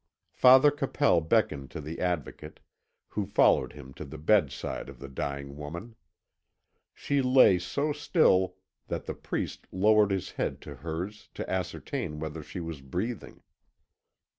Father Capel beckoned to the Advocate, who followed him to the bedside of the dying woman. She lay so still that the priest lowered his head to hers to ascertain whether she was breathing.